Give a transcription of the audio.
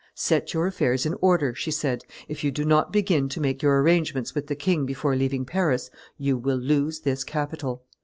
"Set your affairs in order," she said; if you do not begin to make your arrangements with the king before leaving Paris, you will lose this capital.